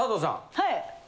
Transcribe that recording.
はい！